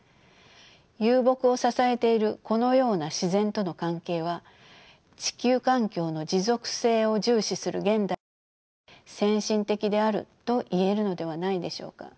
遊牧を支えているこのような自然との関係は地球環境の持続性を重視する現代において先進的であると言えるのではないでしょうか。